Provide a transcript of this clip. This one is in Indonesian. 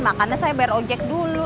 makanya saya bayar ojek dulu